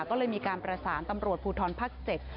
ก็เลยมีการประสานตำรวจภูทรภาค๗